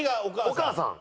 お母さん。